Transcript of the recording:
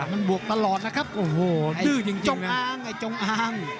มันบวกตลอดนะครับโอ้โหดื้อจริงจงอางไอ้จงอาง